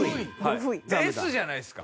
Ｓじゃないですか？